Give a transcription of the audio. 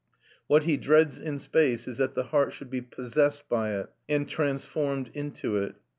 What he dreads in space is that the heart should be possessed by it, and transformed into it.